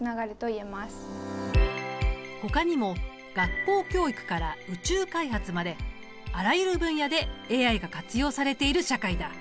ほかにも学校教育から宇宙開発まであらゆる分野でＡＩが活用されている社会だ。